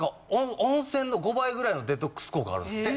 温泉の５倍ぐらいのデトックス効果があるんですって。